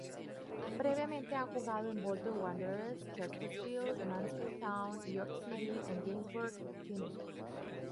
Previamente ha jugado en Bolton Wanderers, Chesterfield, Mansfield Town, York City y Gainsborough Trinity.